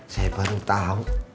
saya baru tau